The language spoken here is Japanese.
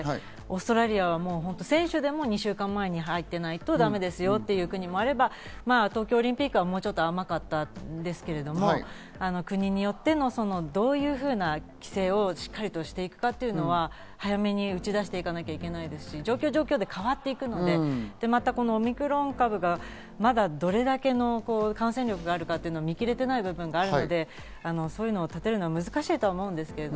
国によって本当に違うのでオーストラリアは選手でも２週間前に入ってないとだめですよっていう国もあれば東京オリンピックはもうちょっと甘かったですけれども、国によってのどういうふうな規制をしっかりとしていくかというのは早めに打ち出していかなきゃいけないですし、状況、状況で変わっていくので、またオミクロン株がどれだけの感染力があるか見切れていない部分があるので、そういうのを立てるのは難しいと思うんですけど。